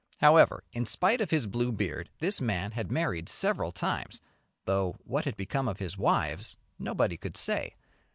However, in spite of his blue beard this man had married several times, though what had become of his wives nobody could say.